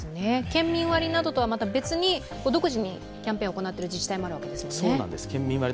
県民割などとは別に、独自にキャンペーンを行っている自治体もあるわけですね。